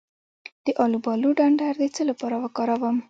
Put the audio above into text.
د الوبالو ډنډر د څه لپاره وکاروم؟